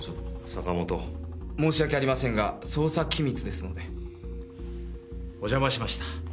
坂本申し訳ありませんが捜査機密ですのでお邪魔しました